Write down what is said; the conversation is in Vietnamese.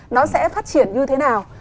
nó sẽ phát triển như thế nào